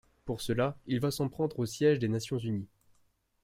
Pour cela, il va s'en prendre au siège des Nations unies.